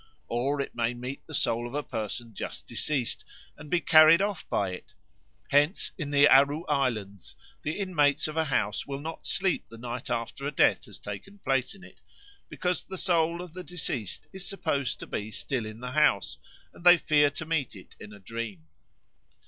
Or it may meet the soul of a person just deceased and be carried off by it; hence in the Aru Islands the inmates of a house will not sleep the night after a death has taken place in it, because the soul of the deceased is supposed to be still in the house and they fear to meet it in a dream.